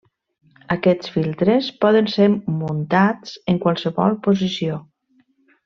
Aquests filtres poden ser muntats en qualsevol posició.